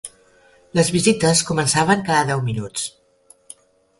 Les visites començaven cada deu minuts.